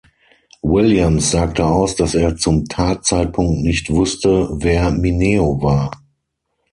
Williams sagte aus, dass er zum Tatzeitpunkt nicht wusste, wer Mineo war.